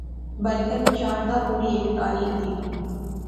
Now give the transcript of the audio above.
بلکن شاردا پوری ہیک تاریخ دی